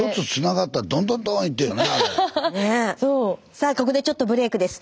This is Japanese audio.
さあここでちょっとブレークです。